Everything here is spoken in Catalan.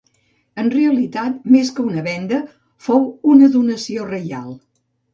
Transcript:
En realitat, més que una venda fou una donació reial.